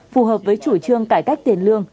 phù hợp với chủ trương cải cách tiền lương